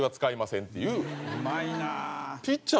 うまいな。